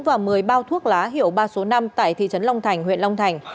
và một mươi bao thuốc lá hiệu ba số năm tại thị trấn long thành huyện long thành